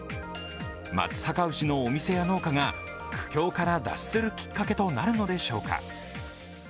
松阪牛のお店や農家が苦境から脱するきっかけとなるのでしょうか。